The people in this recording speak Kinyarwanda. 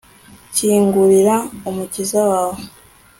kingurira umukiza wawe